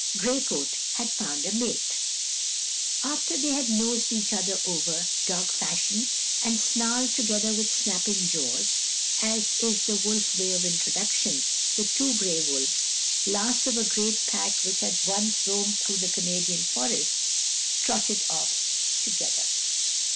Gray Coat had found a mate. After they had nosed each other over, dog fashion, and snarled together with snapping jaws, as is the wolf way of introduction, the two gray wolves, last of a great pack which had once roamed through the Canadian forests, trotted off together.